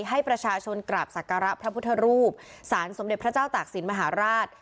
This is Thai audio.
ให้ประชาชนกราบศักระพระพุทธรูปสารสมเด็จพระเจ้าตากศิลปมหาราช